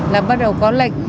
là bắt đầu có lệch